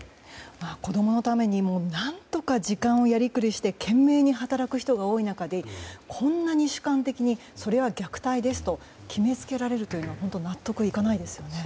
子供のために何とか時間をやりくりして懸命に働く人が多い中でこんなに主観的に、それは虐待ですと決めつけられるのは本当、納得がいかないですね。